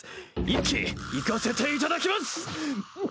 一気いかせていただきます！